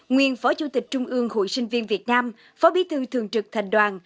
nguyên phó chủ tịch trung ương hội sinh viên việt nam phó bí thư thường trực thành đoàn